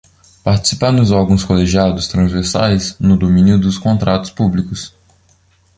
Participar nos órgãos colegiados transversais no domínio dos contratos públicos.